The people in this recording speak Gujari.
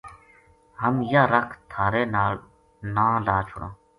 ہم یاہ رَکھ تھارے ناں لا چھُڑاں